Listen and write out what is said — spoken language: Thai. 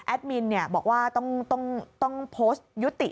มินบอกว่าต้องโพสต์ยุติ